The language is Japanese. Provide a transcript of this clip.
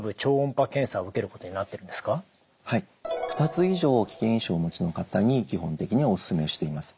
２つ以上危険因子をお持ちの方に基本的にはおすすめをしています。